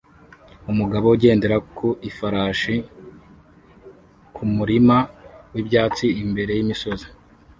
Umugabo ugendera ku ifarashi kumurima wibyatsi imbere yimisozi